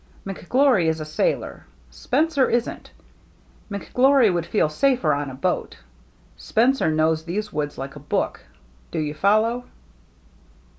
McGlory is a sailor ; Spencer isn't. McGlory would feel safer on a boat ; Spencer 2s6 THE MERRT ANNE knows these woods like a book. Do you follow?"